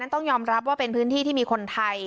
ต้องยอมรับว่าเป็นพื้นที่ที่มีคนไทย